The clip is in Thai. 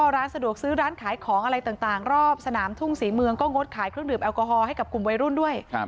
ร้านสะดวกซื้อร้านขายของอะไรต่างรอบสนามทุ่งศรีเมืองก็งดขายเครื่องดื่มแอลกอฮอลให้กับกลุ่มวัยรุ่นด้วย